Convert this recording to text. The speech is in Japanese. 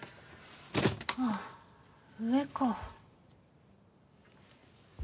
あっ上か。